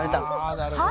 あなるほど。